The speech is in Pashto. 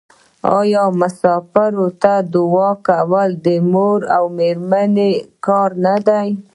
آیا مسافر ته دعا کول د مور او میرمنې کار نه دی؟